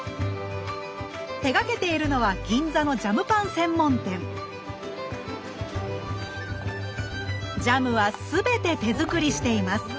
手がけているのは銀座のジャムパン専門店ジャムは全て手づくりしています。